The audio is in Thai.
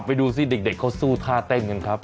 ดูสิเด็กเขาสู้ท่าเต้นกันครับ